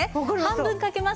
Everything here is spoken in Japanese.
半分かけます。